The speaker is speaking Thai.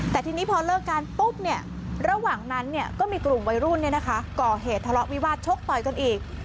แต่ทีนี้พอเลิกกันปุ๊บระหว่างนั้นก็มีกลุ่มวัยรุ่นก่อเหตุทะเลาะวิวาสชกต่อยกันอีก